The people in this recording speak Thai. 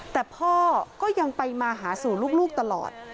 แต่พ่อก็ยังไปมาหาสู่ลูกตลอด